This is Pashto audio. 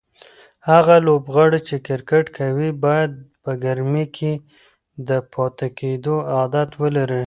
هغه لوبغاړي چې کرکټ کوي باید په ګرمۍ کې د پاتې کېدو عادت ولري.